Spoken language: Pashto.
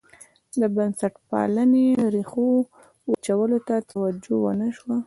د بنسټپالنې ریښو وچولو ته توجه ونه شوه.